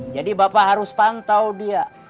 jadi bapak harus pantau dia